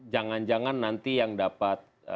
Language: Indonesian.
jangan jangan nanti yang dapat